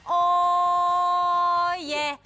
โอเย